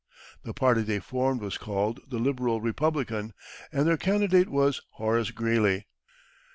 The party they formed was called the Liberal Republican, and their candidate was Horace Greeley.